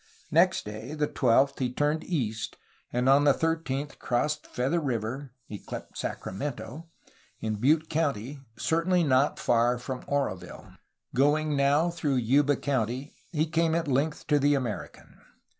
Next day, the 12th, he turned east, and on the 13th crossed Feather River (yclept ''Sacramento'') in Butte County, certainly not far from OroviUe. Going now through Yuba County he came at length to the American.